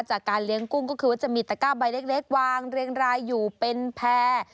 จากการเลี้ยงกุ้งก็คือว่าจะมีตะก้าใบเล็กวางเรียงรายอยู่เป็นแพร่